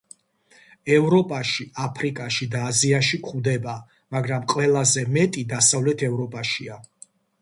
ევროპაში, აფრიკაში და აზიაში გვხვდება, მაგრამ ყველაზე მეტი დასავლეთ ევროპაშია.